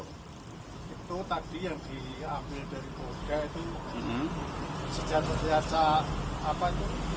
itu tadi yang diambil dari boga itu sejarah sejarah apa itu